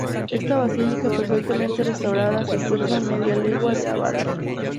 Esta basílica, perfectamente restaurada, se encuentra a media legua de Ábalos.